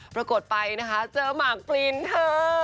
ปรากฏไปนะคะเจอหมากปลีนเธอ